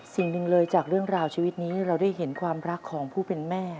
สิ่งหนึ่งเลยจากเรื่องราวชีวิตนี้เราได้เห็นความรักของผู้เป็นแม่